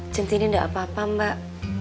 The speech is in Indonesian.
centini enggak apa apa mbak